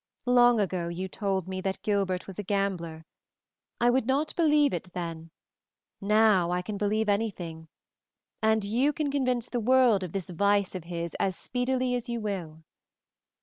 Long ago you told me that Gilbert was a gambler. I would not believe it then, now I can believe anything, and you can convince the world of this vice of his as speedily as you will."